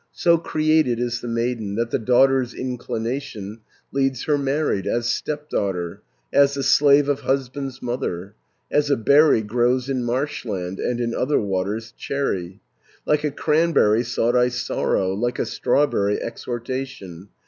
So created is the maiden, That the daughter's inclination Leads her married, as step daughter, As the slave of husband's mother. As a berry grows in marshland, And in other waters, cherry. Like a cranberry sought I sorrow, Like a strawberry exhortation.